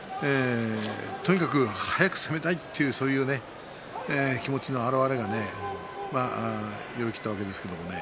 とにかく速く攻めたいというそういう気持ちの表れが寄り切ったわけですけれどもね。